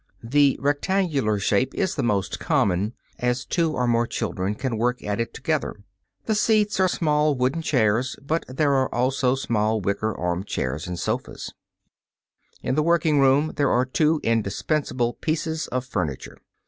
The rectangular shape is the most common as two or more children can work at it together. The seats are small wooden chairs, but there are also small wicker armchairs and sofas. [Illustration: FIG. 1. CUPBOARD WITH APPARATUS.] In the working room there are two indispensable pieces of furniture.